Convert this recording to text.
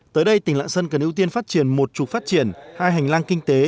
tới đây tỉnh lạng sơn cần ưu tiên phát triển một trục phát triển hai hành lang kinh tế